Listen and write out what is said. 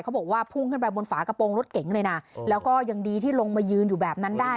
เขาบอกว่าพุ่งขึ้นไปบนฝากระโปรงรถเก๋งเลยนะแล้วก็ยังดีที่ลงมายืนอยู่แบบนั้นได้